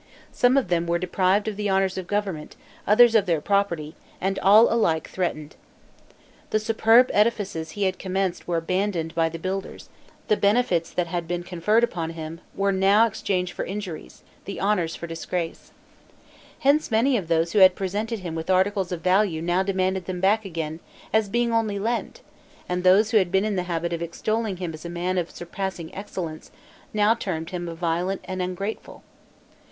Some of them were deprived of the honors of government, others of their property, and all alike threatened. The superb edifices he had commenced were abandoned by the builders; the benefits that had been conferred upon him, where now exchanged for injuries, the honors for disgrace. Hence many of those who had presented him with articles of value now demanded them back again, as being only lent; and those who had been in the habit of extolling him as a man of surpassing excellence, now termed him violent and ungrateful.